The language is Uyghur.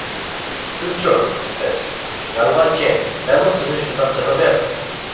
سىزچۇ؟ قىز: يالغانچى، مەنمۇ سىزنى شۇنداق سېغىندىم.